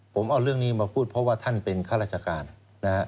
ผมเอาเรื่องนี้มาพูดเพราะว่าท่านเป็นข้าราชการนะฮะ